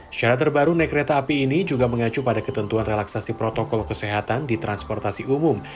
secara terbaru naik kereta api ini juga mengacu pada ketentuan relaksasi protokol kesehatan di transportasi umum